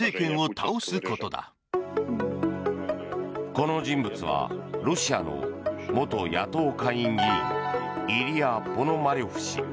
この人物はロシアの元野党下院議員イリヤ・ポノマリョフ氏。